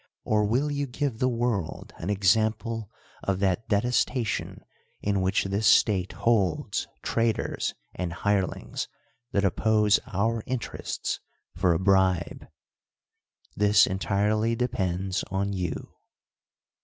or will you give the world ;in <'xnmple of that detestation in which this stnte holds traitors and hin^lings that oppose our interests for a bribe? This entirely depends on you.